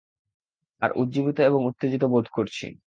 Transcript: আর উজ্জীবিত এবং উত্তেজিত বোধ করছি।